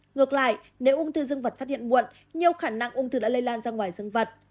ngược lại nếu ung thư dương vật phát hiện muộn nhiều khả năng ung thư đã lây lan ra ngoài sinh vật